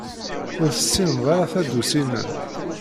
Ur tessined ara tadusi-nnem.